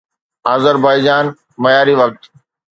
Azerbaijan معياري وقت